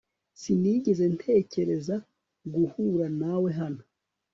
Sinigeze ntekereza guhura nawe hano